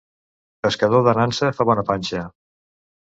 Pescador de nansa fa bona panxa.